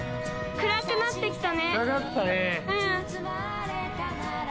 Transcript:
暗くなって来たね。